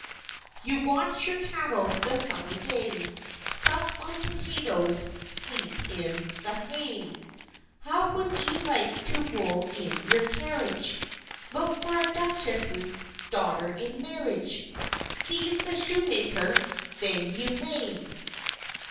You watch your cattle the Summer day, Sup on potatoes, sleep in the hay; How would you like to roll in your carriage, Look for a Duchess's daughter in marriage? Seize the Shoemaker then you may!